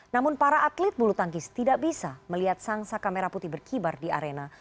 namun para atlet bulu tangkis tidak bisa melihat sang saka merah putih berkibar di arena